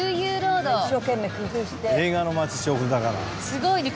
すごいね。